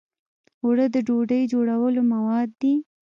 اوړه د ډوډۍ جوړولو مواد دي